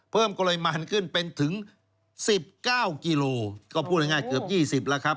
เพิ่มปริมาณขึ้นเป็นถึง๑๙กิโลก็พูดง่ายเกือบ๒๐แล้วครับ